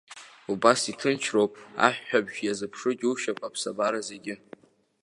Убас иҭынчроуп, аҳәҳәабжь иазԥшу џьушьап аԥсабара зегьы.